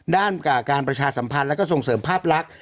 กับการประชาสัมพันธ์แล้วก็ส่งเสริมภาพลักษณ์